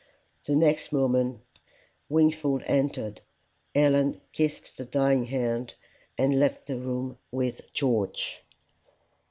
The next moment Wingfold entered. Helen kissed the dying hand, and left the room with George.